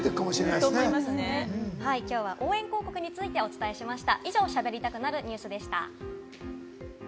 今日は応援広告についてお伝えしました。